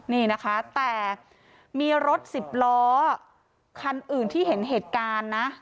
นี่นะคะแต่มีรถสิบล้อคันอื่นที่เห็นเหตุการณ์นะ